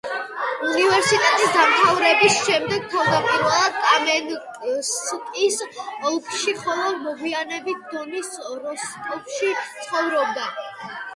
უნივერსიტეტის დამთავრების შემდეგ თავდაპირველად კამენსკის ოლქში, ხოლო მოგვიანებით დონის როსტოვში ცხოვრობდა.